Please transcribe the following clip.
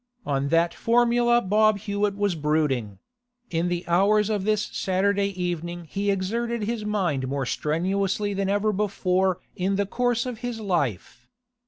On that formula Bob Hewett was brooding; in the hours of this Saturday evening he exerted his mind more strenuously than ever before in the course of his life.